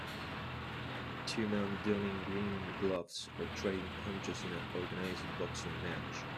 Two men donning green gloves are trading punches in an organized boxing match.